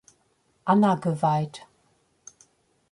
Anna geweiht.